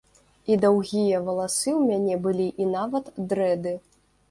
І даўгія валасы ў мяне былі, і нават дрэды.